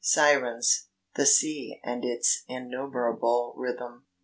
"Sirens: The sea and its innumerable rhythm.